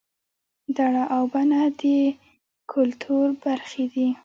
دړه او بنه د کولتور برخې دي